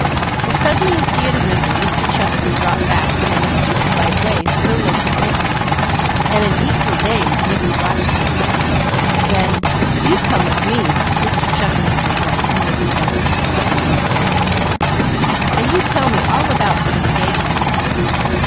As suddenly as he had arisen Mr. Chaffner dropped back, and in a stupefied way still looked at Mickey. Then: "You come with me," Mr. Chaffner said rising, and he entered a small room and closed the door. "Now you tell me all about this engagement."